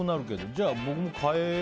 じゃあ、僕も変え。